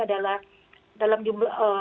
adalah dalam jumlah